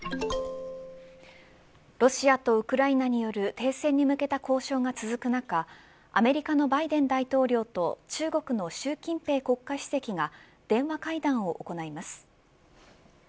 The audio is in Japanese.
ロシアとウクライナによる停戦に向けた交渉が続く中アメリカのバイデン大統領と中国の習近平国家主席が電話会談を行います。